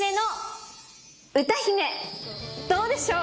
どうでしょう？